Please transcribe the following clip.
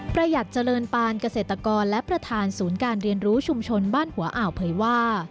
ประหยัดเจริญปานเกษตรกรและประธานศูนย์การเรียนรู้ชุมชนบ้านหัวอ่าวเผยว่า